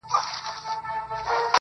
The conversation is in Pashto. هله تياره ده په تلوار راته خبري کوه,